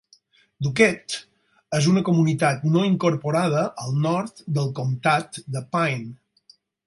Duquette és una comunitat no incorporada al nord del comtat de Pine.